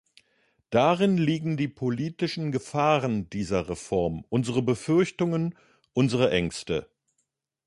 Darin liegen die politischen Gefahren dieser Reform, unsere Befürchtungen, unsere Ängste.